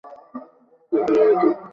Gallery অর্ধ নির্মিত।